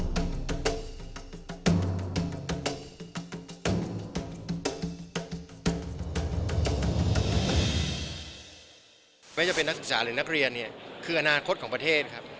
ไม่ว่าจะเป็นนักศึกษาหรือนักเรียนเนี่ยคืออนาคตของประเทศครับ